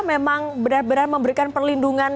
memang benar benar memberikan perlindungan